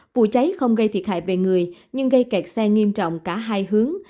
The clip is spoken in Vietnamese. vụ cháy không gây thiệt hại về người nhưng gây kẹt xe nghiêm trọng cả hai hướng